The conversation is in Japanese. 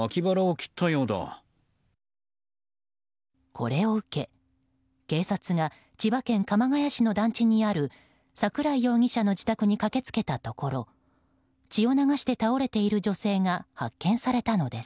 これを受け、警察が千葉県鎌ケ谷市の団地にある桜井容疑者の自宅に駆けつけたところ血を流して倒れている女性が発見されたのです。